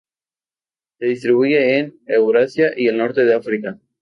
Se distribuye en Eurasia y el norte de África.